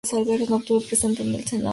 No obtuvo representación en el Senado.